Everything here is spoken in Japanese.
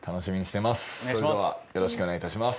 それではよろしくお願いいたします。